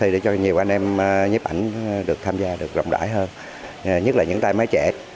để cho nhiều anh em nhấp ảnh được tham gia được rộng đại hơn nhất là những tai mái trẻ